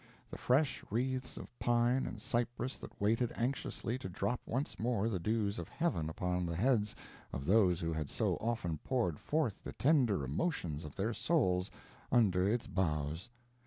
The fresh wreaths of the pine and cypress had waited anxiously to drop once more the dews of Heaven upon the heads of those who had so often poured forth the tender emotions of their souls under its boughs.